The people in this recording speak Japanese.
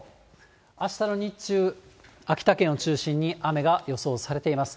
あしたの日中、秋田県を中心に雨が予想されています。